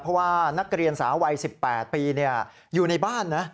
เพราะว่านักเรียนสาววัย๑๘ปีอยู่ในบ้านนะ